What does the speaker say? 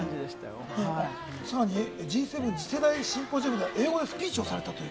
さらにＧ７次世代シンポジウム、英語でスピーチをされたと。